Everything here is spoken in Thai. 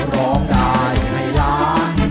ร้องได้ให้ล้าน